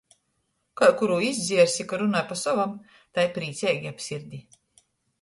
Kai kurū izdzierssi, ka runoj pa sovam, tai prīceigi ap sirdi!